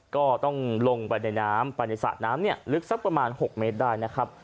ก็ต้องลงไปในน้ำไปในสระน้ำเนี่ยลึกสักประมาณ๖เมตรได้นะครับ